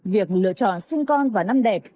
việc lựa chọn sinh con vào năm đẹp